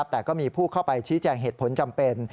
แต่ก็มีผู้เข้าไปชี้แจงเหตุผลจำเป็น